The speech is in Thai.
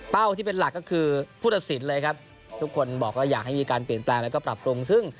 ที่เป็นหลักก็คือผู้ตัดสินเลยครับทุกคนบอกว่าอยากให้มีการเปลี่ยนแปลงแล้วก็ปรับปรุงซึ่ง